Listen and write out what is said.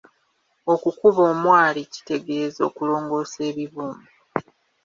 Okukuba omwari kitegeeza okulongoosa ebibumbe.